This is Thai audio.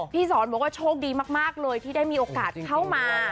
สอนบอกว่าโชคดีมากเลยที่ได้มีโอกาสเข้ามา